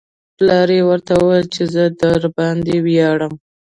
پلار یې ورته وویل چې زه درباندې ویاړم